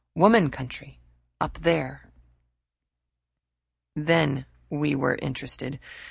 "Woman Country up there." Then we were interested.